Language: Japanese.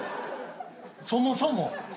そもそも。